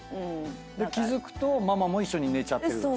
で気付くとママも一緒に寝ちゃってるんですか？